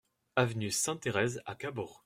Avenue Sainte-Therese à Cabourg